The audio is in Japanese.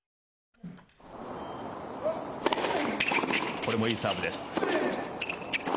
これもいいサーブです。